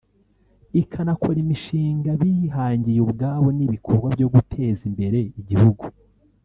ikanakora imishinga bihangiye ubwabo n’ibikorwa byo guteza imbere igihugu